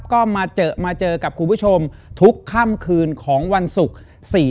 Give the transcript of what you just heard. ก็มาเจอมาเจอกับคุณผู้ชมทุกค่ำคืนของวันศุกร์